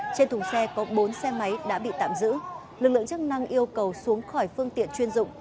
trên thùng xe có bốn xe máy đã bị tạm giữ lực lượng chức năng yêu cầu xuống khỏi phương tiện chuyên dụng